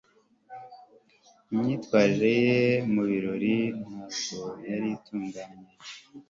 imyitwarire ye mu birori ntabwo yari itunganye